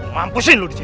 mampusin lu di sini